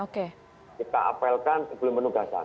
kita apelkan sebelum penugasan